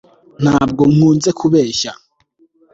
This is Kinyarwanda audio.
ntabwo nkunze kubeshya